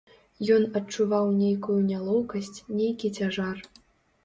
Ён адчуваў нейкую нялоўкасць, нейкі цяжар.